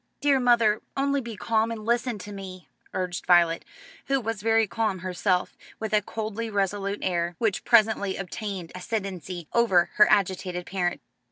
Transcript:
"Dear mother, only be calm and listen to me," urged Violet, who was very calm herself, with a coldly resolute air which presently obtained ascendency over her agitated parent.